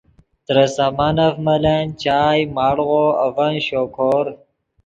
ترے سامانف ملن چائے، مڑغو اڤن شوکور